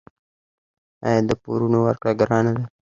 آیا د پورونو ورکړه ګرانه ده؟